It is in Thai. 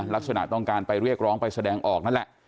ลักษณะต้องการไปเรียกร้องไปแสดงออกนั่นแหละ